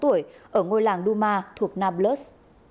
ở ngôi làng duma thuộc nablus